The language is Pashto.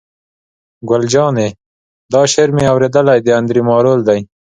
ګل جانې: دا شعر مې اورېدلی، د انډرې مارول دی.